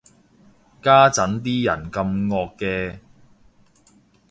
家陣啲人咁惡嘅